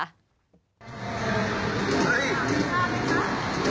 เฮ่ย